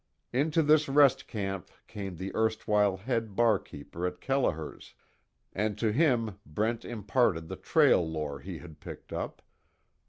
Into this rest camp came the erstwhile head barkeeper at Kelliher's, and to him Brent imparted the trail lore he had picked up.